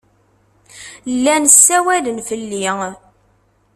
Llan ssawalen fell-i.